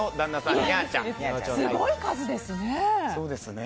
すごい数ですね。